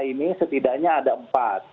ini setidaknya ada empat